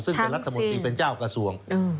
ซึ่งเป็นรัฐมนตรีเป็นเจ้ากระทรวง